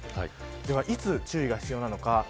では、いつ注意が必要なのか。